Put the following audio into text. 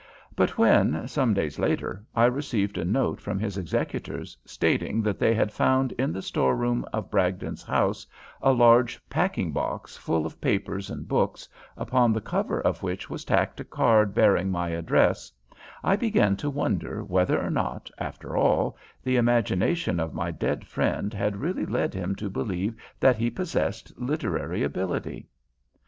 But when, some days later, I received a note from his executors stating that they had found in the store room of Bragdon's house a large packing box full of papers and books, upon the cover of which was tacked a card bearing my address, I began to wonder whether or not, after all, the imagination of my dead friend had really led him to believe that he possessed literary ability.